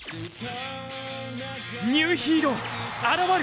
ニューヒーロー現る。